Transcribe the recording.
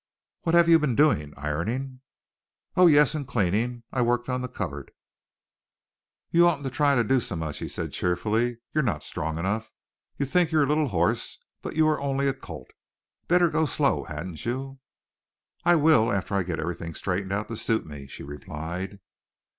"What have you been doing, ironing?" "Oh, yes, and cleaning. I worked on the cupboard." "You oughtn't to try to do so much," he said cheerfully. "You're not strong enough. You think you're a little horse, but you are only a colt. Better go slow, hadn't you?" "I will after I get everything straightened out to suit me," she replied.